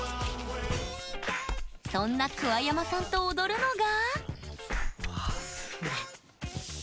そんな桑山さんと踊るのが。